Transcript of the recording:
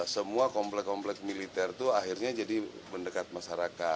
semua komplek komplek militer itu akhirnya jadi mendekat masyarakat